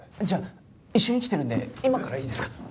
じゃあ一緒に来てるんで今からいいですか？